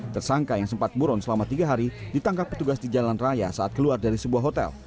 tersangka yang sempat buron selama tiga hari ditangkap petugas di jalan raya saat keluar dari sebuah hotel